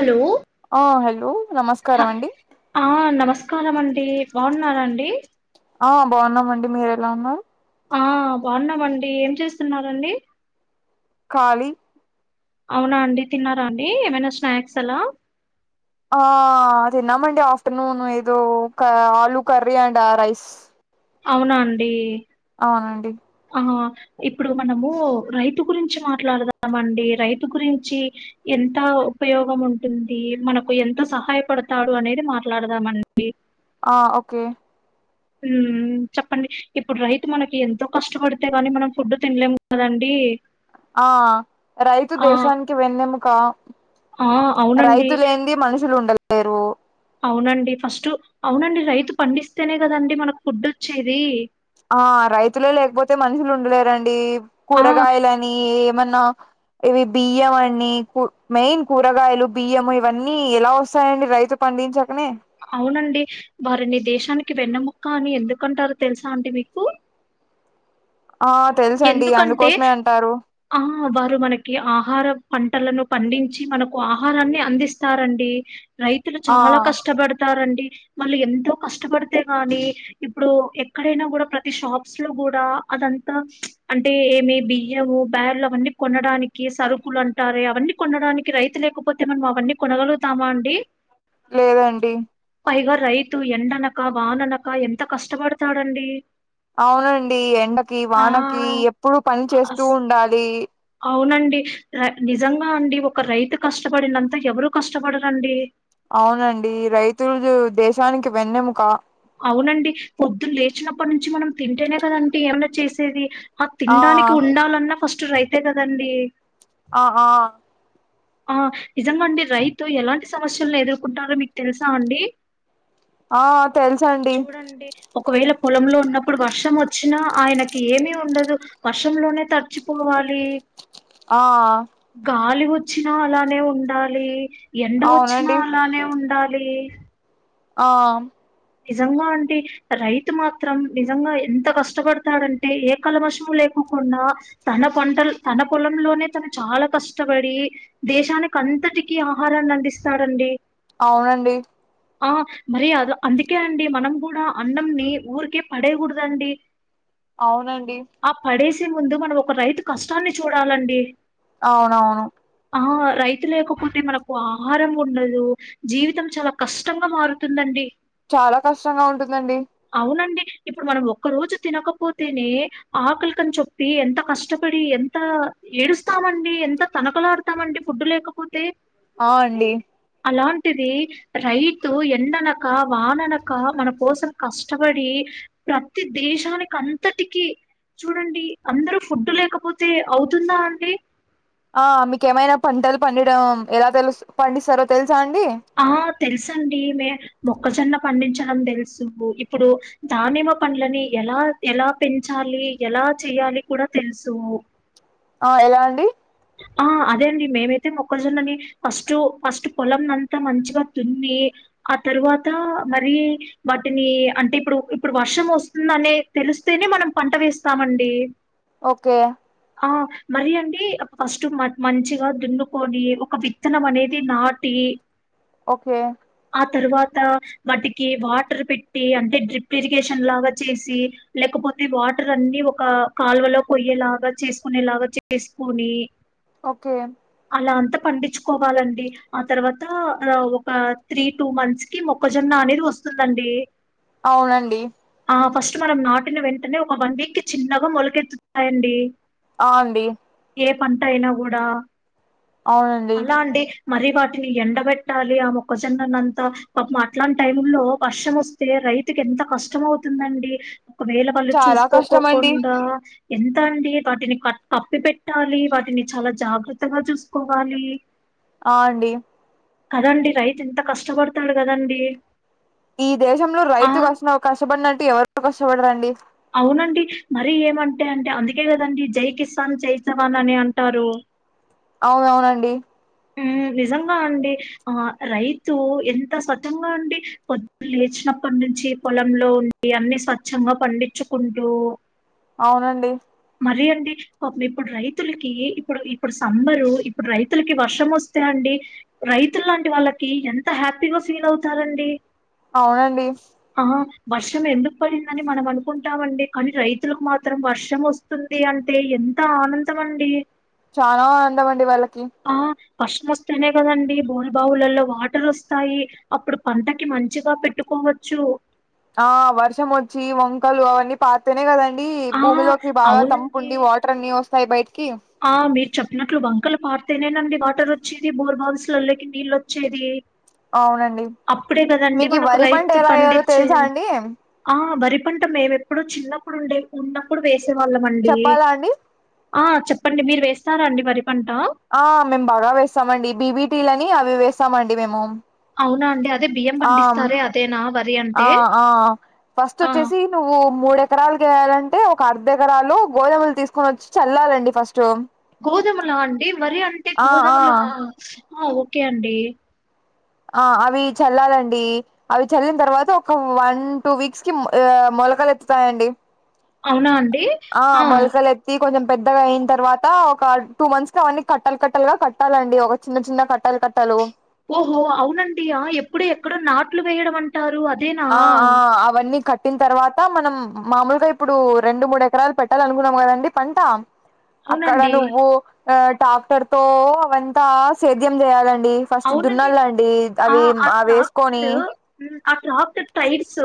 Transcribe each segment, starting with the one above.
Hello ఆ hello అ నమస్కారం అండి హా నమ స్కారం అండి బాగున్నారండి ఆ బాగున్నామండి మీరు ఎలా ఉన్నారు ఆ బాగున్నామండి ఏం చేస్తున్నారండి ఖాళీ అవునా అండి తిన్నారా అండి ఏమైనా స్నాక్స్ అలా ఆ తిన్నామండి ఆఫ్టర్నూన్ ఏదో ఒక ఆలూ కర్రీ అండ్ రైస్ అవునా అండి అవునండి ఆ ఇప్పుడు మనము రైతు గురించి మాట్లాడుదామండి రైతు గురించి ఎంత ఉపయోగం ఉంటుంది మనకు ఎంత సహాయపడతాడు అనేది మాట్లాడదామండి ఆ ఓకే ఉమ్మ్ చెప్పండి ఇప్పుడు రైతు మనకి ఎంతో కష్టపడితే గాని మనం ఫుడ్ తినలేము కదండీ ఆ రైతు దేశానికి వెన్నెముక ఆ అవునండి రైతు లేనిదే మనుషులు ఉండలేరు అవునండి ఫస్టు అవునండి రైతు పండిస్తేనే కదండి మనకు ఫుడ్ వచ్చేది ఆ రైతులే లేకపోతే మనుషులు ఉండలేరండి ఆ! కూరగాయలని మన్న ఇవి బియ్యం అన్ని కు మెయిన్ కూరగాయలు, బియ్యం ఇవన్నీ ఎలా వస్తాయండి. రైతు పండించ అవునండి వారిని దేశానిక్ కి వెన్నముక్క అని ఎందుకుంటారు తెలుసా అండి మీకు? ఆ తెలుసండి ఎందుకంటే అందుకోసమే అంటారు హా వారు మనకి ఆహారం పంటలను పండించి మనకు ఆహారాన్ని అందిస్తారండి. రైతులు ఆ చాలా కష్టపడ్ తారండి. మళ్ళీ ఎంతో కష్టపడితే గాని ఇప్పుడు ఎక్కడైనా గూడా ప్రతి షాప్స్ లో గ్ గూడా అదంతా ప్చ్ అంటే ఏమి బియ్యము, బేర్లు అవన్నీ కొనడానికి, సరుకులు అంటారు అవన్నీ కొనడానికి రైత్ రైతు లేకపోతే మనం అవన్నీ కొనగలుగుతామా అండి. లేదండి పైగా రైతు ఎండనక, వాననక ఎంత కష్టపడతాడండి. అవునండి ఎండకి, ఆ! వానకి ఎప్పుడు పని చేస్తూ అస్ ఉండాలి. అవునండి. రై నిజంగా అండి, ఒక రైతు కష్టపడినంతా ఎవరు కష్టపడరండి. అవునండి రైతులు, దేశానికి వెన్నెముఖ అవునండి పొద్దున్ లేచినప్పటి నుంచి మనం తింటేనే కదంటి ఏమన్నా చేసేది. ఆ తినడానికి ఉండాలన్నా ఫస్ట్ రైతే కదండి. ఆ ఆ ఆ నిజంగా అండి రైతు ఎలాంటి సమస్యల్ను ఎదుర్కొంటన్నారో మీకు తెలుసా అండి. ఆ వ చూడండి. ఒ ఒకవేళ పొలంలో ఉన్నప్పుడు వర్షం వచ్చినా ఆయనకి ఏమీ ఉండదు, వర్షంలోనే తర్చిపోవా లి ఆ వచ్చినా అలానే ఉండాలి, ఎండ వచ్చినా అవునండి అలానే ఉండాలి. ఆ నిజంగా అంటి రైతు మాత్రం నిజంగా ఎంత కష్టపడతాడంటే, ఏ కలమశము లేక్ కోకుండా తన పంటల్, తన పొలంలోనే తను చాలా కష్టపడి దేశానికి అన్ అంతటిక ఆహారాన్ని అందిస్తాడండి అవునండి ఆ మరి అల అందుకే అండి మనం గూడా అన్నంని ఊరికే పడేయ్గుడ్దండి. అవునండి చే ముందు మనం ఒక రైతు కష్టాన్ని చూడాలండి. అవునవును ఆ రైతు లేకపోతే మనకు ఆహారం ఉండదు, జీవితం చాల కష్టంగా మారుతుందండి. చాలా కష్టంగా ఉంటుందండి అవునండి. ఇప్పుడు మనం ఒక్క రోజు తినకపోతేనే, ఆకలికని చొప్పి ఎంత కష్టపడి. ఎంత ఏడుస్తామండి. ఎంత తనకలాడుతామండి. ఫుడ్డు లేకపోతే అవ్ అండి అలాంటిది రైతు ఎండనక, వాననక మన కోసం కష్టపడి ప్రతి దే దేశానికి అంతటికీ చూడండి అందరుూ ఫుడ్డు లేకపోతే, అవుతుందా అండి. ఆ మీకేమైనా పంటలు పడడం. ఎలా తెలుస్ పండిస్తారో తెల్ ఆ తెలుసు అండి ఈమె మొక్కజొన్న పండించడం తెలుసు ఇప్పుడు దానిమ్మ పండ్లని ఎలా ఎలా పెంచ మను లి ఎలా చేయాలి కూడా తెలుసు ఆ ఎలా అండి ఆ అదే అండి మేము అయితే మొక్కజొన్నని ఫస్ట్ ఫస్ట్ పొలం నంత మంచిగా దున్న ఆ తరువాత మరి వాటిని అంటే ఇప్పుడు ఇప్పుడు వర్షం వస్తుందని తెలుసు వస్తేనే మనం పంట వేస్తామండి ఓకే ఆ మరి అండి ఫస్ట్ మ మంచిగా దున్నుకొని ఒక విత్తనం అనేది నాటి ఓకే ఆ తర్వాత వాటికి వాటర్ పెట్టి అంటే డ్రిప్ ఇరిగేషన్ లాగా చేసి లేకపో కొద్ది వాటర్ అన్ని ఒక కాల్వలో పోయేలాగా చేసుకునేలాగా చేసుకొని ఓకే అలా అంత పండించుకోవాలండి ఆ తర్వాత ఒక త్రీ టూ మంత్స్ కి మొక్కజొన్న అనేది వస్తుందండి అవునండి ఆ ఫస్ట్ మనం నాటిని వెంటనే ఒక వన్ వీక్ కి చిన్నగా మొలకెత్తుతాయండి అ అండి ఏ పంట అయినా కూడా అవునండి మరి వాటిని ఎండబెట్టాలి ఆ మొక్కజొన్న నంతా పాపం అట్లాంటి టైమ్ లో వర్షం వస్తే రైతుకి ఎంత కష్టం అవుతుందండి ఒకవేళ వాళ్ళు చాలా చూసుకో కష్టం అండి కోకుండా ఎంత అండి వాటిని క కప్పి పెట్టాలి వాటిని చాలా జాగ్రత్తగా చూసుకో వాటి ఆ అండి కదండి రైతు ఎంత కష్టపడతాడు కదండీ ఈ దేశంలో రైతు కష్ట కష్టపడినట్టు ఎవరు కష్టపడరండి అవునండి మరి ఏమంటే అంటే అందుకే కదండి జై కిసాన్ జై జవాన్ అని అంటారు అవునవునండి హు నిజంగా అండి ఆ రైతు ఎంత స్వచ్ఛంగా అండి పొద్దున లేచినా అప్పటినుంచి పొలంలో ఉండి అన్ని స్వచ్ఛంగా పండించుకుంటూ అవునండి సరే అండి పాపం ఇప్పుడు రైతులకి ఇప్పుడు సమ్మరు ఇప్పుడు రైతులకి వర్షం వస్తే అండి రైతులాంటి వాళ్లకి ఎంత హ్యాపీగా ఫీల్ అవుతారు అండి అవునండి వర్షం ఎందుకు పడిందని మనం అనుకుంటామండి కానీ రైతులకు మాత్రం వర్షం వ వస్తుంది అంటే ఎంత ఆనందం అండి చాలా ఆనందం అండి వాళ్ళకి వర్షం వస్తేనే కదండి బోరు బావులలో వాటర్ వస్తాయి అప్పుడు పంటకి మంచిగా పెట్టుకో కోవచ్చు ఆ వర్షం వచ్చి వంకలు అవన్నీ పారితేనే కదండి అండి ఆ! భూమిలోకి బాగా తంపు అవునండి. ఉండి వాటర్ అన్ని వస్తాయి బయటకి ఆ మీరు చెప్పినట్లు బాగు మొక్కలకి పారితేనే అండి వాటర్ వచ్చేది బోర్ బావుస్ లల్లకి నీళ్ళు వచ్చేది అవునండి అప్పుడే కదండీ మీకు ఈ మనకు వరి పంట రైతు ఎలా వేయాలో పండించే తెలుసా అండి ఆ వరి పంట మేము ఎప్పుడు చిన్నప్పుడు ఉండే ఉన్నప్పుడు వేసేవాళ్ళం అండి చెప్పాలా అండి ఆ చెప్ చెప్పండి మీరు వేస్తారా అండి వరి పంట ఆ మేము బాగా వేస్తామండి బీబీటీలు అని అవి వేసామండి మేము అవునా అండి అదే బియ్యం ఆమ్ పండిస్తారే అదేనా వరి ఆ అంటే? ఆ ఫస్ట్ ఆ! వచ్చేసి నువ్వు మూడు ఎకరాలకి వేయాలంటే ఒక అర్ధ ఎకరాలు గోధుమలు తీసుకొని వచ్చి చల్లాలండి ఫస్ట్ గోధుమల అండి మరి అంటే ఆ ఆ గోధుమల ఆ ఓకే అండి ఆ అవి చల్లాలండి అవి చల్లిన తర్వాత ఒక వన్ టూ వీక్స్ కి ఆ మొలకలు ఎత్తుతాయండి అవునా ఆ మొలకలెత్తి కొంచెం పెద్దగా అయిన తర్వాత ఒక టూ మంత్స్ కి అవన్నీ కట్టలు కట్టలుగా కట్టాలండి ఒక చిన్న చిన్న కట్టలు కట్టలు ఓహో అవునండి ఆ ఎప్పుడు ఎక్కడో నాట్లు వేయడం అం ఆ ఆ అవన్నీ కట్ పెట్టిన తర్వాత మనం మామూలుగా ఇప్పుడు రెండు, మూడు ఎకరాలు పెట్టాలనుకున్నాం కదండీ పంట అక్కడ అవునండి నువ్వు ఆ టాక్టర్ తో అవంతా సేద్యం చేయాలం డి ఫస్ట్ అవునండి దున్నాల అండి ఆ అవి ఆ మా అవి వేసుకొని ట్రాక్టర్ మ్, ఆ డ్రాఫ్ట్ టైర్స్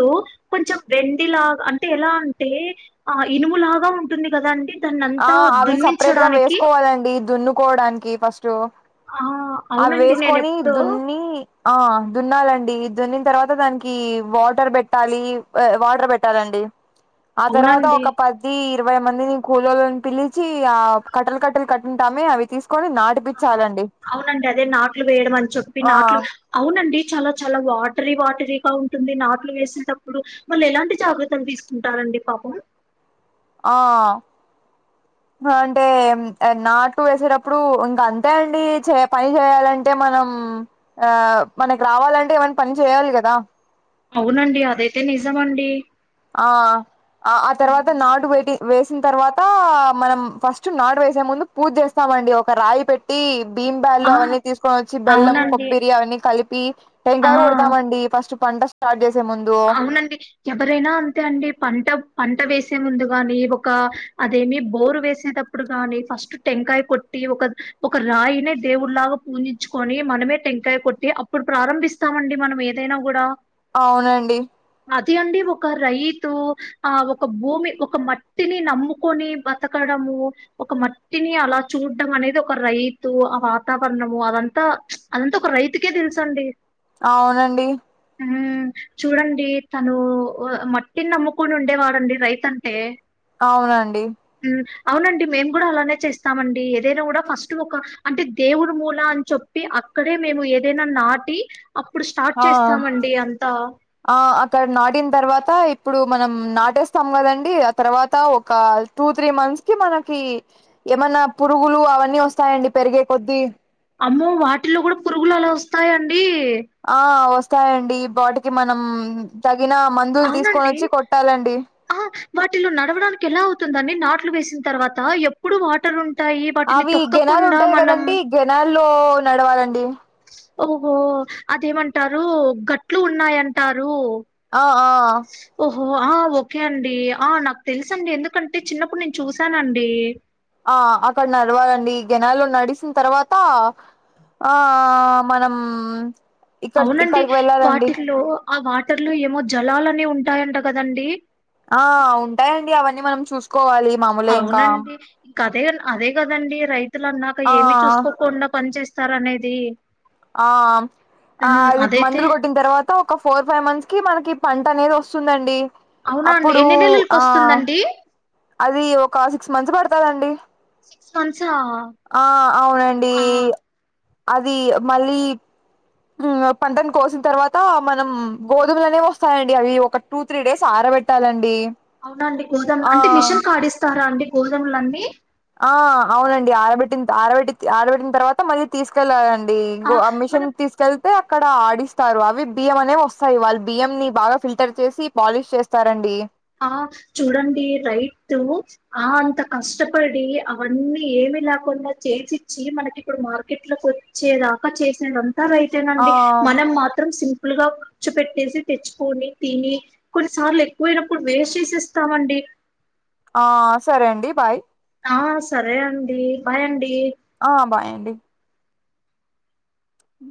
కొంచెం వెండిలాగా అంటే ఎలా అంటే ఆ ఇనుములా బాగా ఉంటుంది కదా అండి దాన్ని అంతా ఆ అవి సపరేట్ గా దున్నించడానికి వేసుకోవాలండి దున్నుకోవడానికి ఫస్ట్ ఆ అవి అవునండి నేను వేసుకొని ఎప్పుడో దున్ని ఆ దున్నాలండి ఈ దున్నిన తర్వాత దానికి వాటర్ పెట్టాలి ఆ వాటర్ పెట్టాలండి. ఆ తర్వాత అవునండి ఒక పది ఇరవై మందిని కూలోలను పిలిచి ఆ కట్టలు కట్టలు కట్టింటామే అవి తీసి కొన్ని ఆ నాటిపిచ్చాలండి అవునండి అదే నాట్లు వేయడం అని చెప్పి ఆ నాట్లు అవు నండి చాలా చాలా వాటరీ వాటరీగా ఉంటుంది నాట్లు వేసేటప్పుడు వాళ్ళు ఎలాంటి జాగ్రత్తలు తీసు కుంటారండి పాపం ఆ అంటే నాటు వేసేటప్పుడు ఇంక అంతే అండి చే పని చేయాలంటే మనం ఆ మనకి రావాలంటే ఏమ అవునండి అదైతే నిజమండి ఆ ఆ ఆ తర్వాత నాటు వేటి వేసిన తర్వాత మనం ఫస్ట్ నాటు వేసే ముందు పూజ చేస్తా అండి ఒక రాయి పెట్టి బీంబ్యాలు ఆ అవన్నీ తీసుకొని వచ్చి బెల్లం అవునండి కొబ్బరి అవన్నీ కలిపి ఆ టెంకాయ కొడతామండి ఫస్ట్ పంట స్టార్ట్ చేసే ముందు అవునండి ఎవరైనా అంతే అండి పంట పంట వేసే ముందు గాని ఒక అదేమి బోరు వేసే టప్పుడు గాని ఫస్ట్ టెంకాయ కొట్టి ఒక ఒక రాయినే దేవుడిలాగా పూజించుకొని మనమే టెంకాయ కొట్టి అప్పుడు ప్రారంభిస్తామండి మనం ఏదైనా కూడా అవునండి అది అండి ఒక రైతు ఆ ఒక భూమి ఒక మట్టిని నమ్ముకొని బతకడం ఒక మట్టిని అలా చూడ్డం అనేది ఒక రైతు ఆ వాతావరణము అదంతా ఉచ్ అంతా ఒక రైతుకే తెలుసండి అవునండి ఉ చూడండి తను ఓ మట్టిని నమ్ముకుని ఉండేవాడంండి రైతు అంటే అవునండి ఉమ్ అవునండి మేము కూడా అలానే చేస్తామండి ఏదైనా కూడా ఫస్ట్ ఒక అంటే దేవుడు మూల అని చెప్పి అక్ అక్కడే మేము ఏదైనా నాటి అప్పుడు స్టార్ట్ ఆ చేస్తామండి అంతా ఆ అక్కడ నాటిన తర్వాత ఇప్పుడు మనం నాటేస్తాం కదండి ఆ తర్వాత ఒక టూ టూ త్రీ మంత్స్ కి మనకి ఏమన్నా పురుగులు అవన్నీ వస్తాయండి పెరిగే కొద్ది అమ్మో వాటిలో కూడా పురుగులు అలా వస్తాయిండి ఆ వస్తాయండి బాటికి మనం తష్ అవునండి ఆ వాటిలో నడవడానికి ఎలా అవుతుందని నాట్లు వేసిన తర్వాత ఎప్పుడు వాటర్ ఉంటాయి. వాటిని అవి గెనాలు తొక్కకుండా ఉంటాయి మనం కదండీ గెనాల్లో నడవాలండి ఓహో అదేమంటారు గట్లు ఉన్నాయంటారు ఆ ఆ ఆ ఓకే అండి ఆ నాకు తెలుస అండి ఎందుకంటే చిన్నప్పుడు నేను చూసానండి ఆ అక్కడ నడవాలండి ఈ గనాల్లో నడిసిన తర్వాత ఆ ఆ మనం ఇక్కడ అవునండి ఇక్కడికి వెళ్ళాలండి వాటిలో ఆ వాటర్ లో ఏమో జలాలని ఉంటాయంట కదండి ఆ ఉంటాయంండి అవన్నీ మనం చూసుకోవాలి మామూలే ఇంకా అవునండి. ఇంక అదే అదే కదండి రైతులు అన్నాక ఆ ఏమి చూసుకోకుండా పని చేేస్తారు అనేది ఆ ఆ అది అదైతే మందులు కొట్టిన తర్వాత ఒక ఫోర్ ఫైవ్ మంత్స్ కి మనకి పన్ట్ అనేది వస్తుందండి అవునా అండి? అప్పుడు ఎన్ని ఆ నెలలకొస్తుందండి? అది ఒక సిక్స్ మంత్స్ పడతాదండి సిక్స్ మంత్సా ఆ అవునండి ఆ అది మళ్ళీ ఉమ్ పంటను కోసిన తర్వాత మనం గోధుమలునే వస్తాయండి అవి ఒక టూ త్రీ డేస్ ఆ పెట్టాలండి అవునండి గోధుమ్ అంటే మిషన్ కాడిస్తారా అండి గోధుమలన్నీ ఆ అవునండి ఆరబెట్టి ఆరబెట్టి ఆరబెట్టిన తర్వాత మళ్ళీ తీసుకెళ్ళాలండి ఆ డిపో మనం అమిషన్ తీస్కెల్ తే అక్కడ ఆడిస్తారు అవి బియ్యం అనేవి వస్తాయి వాళ్ళు బియ్యం ని బాగా ఫిల్టర్ చేసి పాలిష్ చేస్తారండి ఆ చూడండి రైతు ఆ అంత కష్టపడి అవన్నీ ఏమ్ ఏమ్ లేకుండా చేసి ఇచ్చి మనకి ఇప్పుడు మార్కెట్ లోకి వచ్చేదాకా చేసిదంత అంత రైతే ఆ అండి మనం మాత్రం సి ప్పులుగా కూర్చు పెట్టేసి తెచ్చుకొని తిని కొన్నిసార్లు ఎక్కువైన నప్పుడు వేస్ట్ చేసేస్తామండి ఆ సరే అండి బాయ్ ఆ సరే అండి బాయ్ అండి ఆ బాయండి ఉ